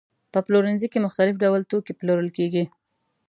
په پلورنځي کې مختلف ډول توکي پلورل کېږي.